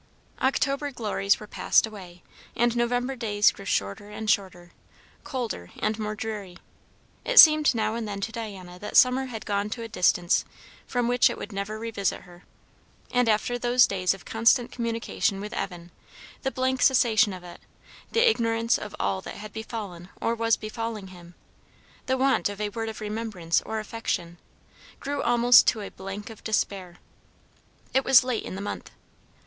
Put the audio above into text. October glories were passed away, and November days grew shorter and shorter, colder and more dreary. It seemed now and then to Diana that summer had gone to a distance from which it would never revisit her. And after those days of constant communication with Evan, the blank cessation of it, the ignorance of all that had befallen or was befalling him, the want of a word of remembrance or affection, grew almost to a blank of despair. It was late in the month.